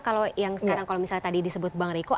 kalau yang sekarang kalau misalnya tadi disebut bang riko